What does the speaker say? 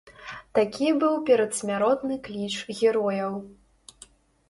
Такі быў перадсмяротны кліч герояў.